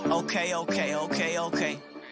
โอเคโอเคโอเคโอเค